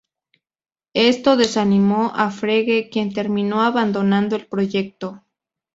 Esto desanimó a Frege, quien terminó abandonando el proyecto.